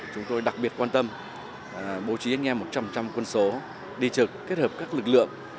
chúng tôi đặc biệt quan tâm bố trí anh em một trăm linh quân số đi trực kết hợp các lực lượng